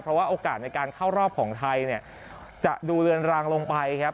เพราะว่าโอกาสในการเข้ารอบของไทยเนี่ยจะดูเรือนรางลงไปครับ